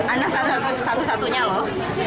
anak satu satunya loh